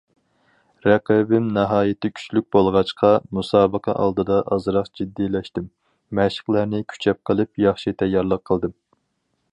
رەقىبىم ناھايىتى كۈچلۈك بولغاچقا، مۇسابىقە ئالدىدا ئازراق جىددىيلەشتىم، مەشىقلەرنى كۈچەپ قىلىپ ياخشى تەييارلىق قىلدىم.